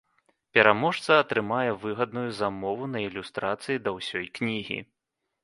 Пераможца атрымае выгадную замову на ілюстрацыі да ўсёй кнігі.